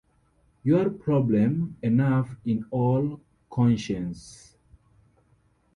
You’re problem enough in all conscience.